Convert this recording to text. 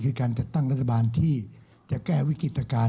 คือการจัดตั้งรัฐบาลที่จะแก้วิกฤตการณ